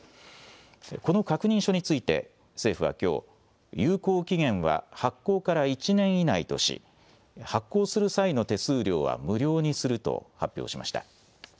この確認書について、政府はきょう、有効期限は発行から１年以内とし、発行する際の手数料は無料にすると発表しました。